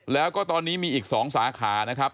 แล้วก็ตอนนี้มีอีก๒สาขานะครับ